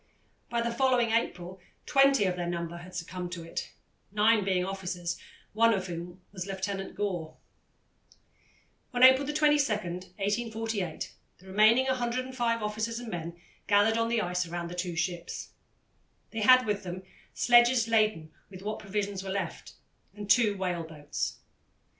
By the following April twenty of their number had succumbed to it, nine being officers, one of whom was Lieutenant Gore. On April 22, 1848, the remaining 105 officers and men gathered on the ice around the two ships. They had with them sledges laden with what provisions were left, and two whale boats.